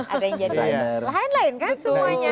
ada yang jadi lain lain kan semuanya